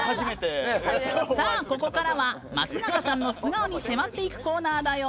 ここからは松永さんの素顔に迫っていくコーナーだよ。